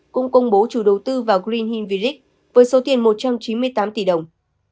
cũng công bố chủ đầu tư vào green hill village với số tiền một trăm chín mươi tám tỷ đồng